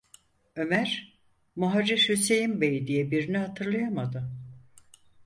Ömer, muharrir Hüseyin bey diye birini hatırlayamadı.